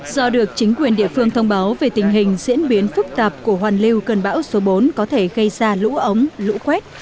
do được chính quyền địa phương thông báo về tình hình diễn biến phức tạp của hoàn lưu cơn bão số bốn có thể gây ra lũ ống lũ quét